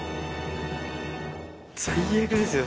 最悪ですよ